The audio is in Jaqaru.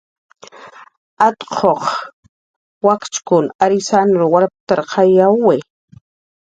Atquq wakchkun arysann walptarqayawi.